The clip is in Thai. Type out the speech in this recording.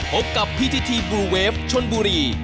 พบกับพิธีบลูเวฟชนบุรี